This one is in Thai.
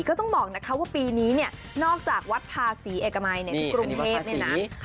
ก็ต้องบอกนะคะว่าปีนี้เนี่ยนอกจากวัดภาษีเอกมัยที่กรุงเทพเนี่ยนะ